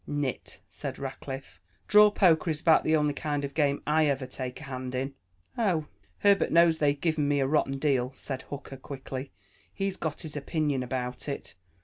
"Nit," said Rackliff. "Draw poker is about the only kind of a game I ever take a hand in." "Oh, Herbert knows they've given me a rotten deal," said Hooker quickly. "He's got his opinion about it.